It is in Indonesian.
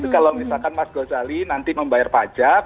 kalau misalkan mas ghazali nanti membayar pajak